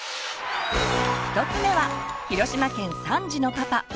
１つ目は広島県３児のパパ